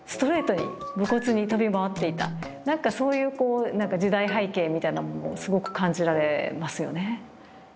何かそういう時代背景みたいなものをすごく感じられますよね。